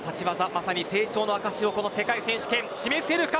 まさに成長の証しをこの世界選手権で示せるか。